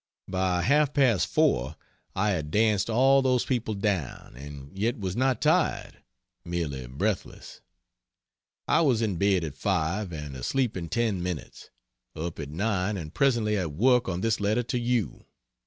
By half past 4 I had danced all those people down and yet was not tired; merely breathless. I was in bed at 5, and asleep in ten minutes. Up at 9 and presently at work on this letter to you.